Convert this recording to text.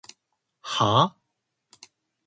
はぁ？